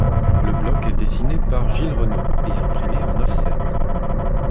Le bloc est dessiné par Gil Renaud et imprimé en offset.